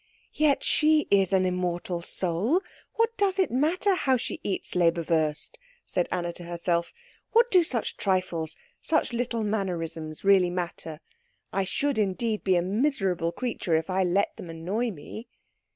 "Yet she is an immortal soul what does it matter how she eats Leberwurst?" said Anna to herself. "What do such trifles, such little mannerisms, really matter? I should indeed be a miserable creature if I let them annoy me."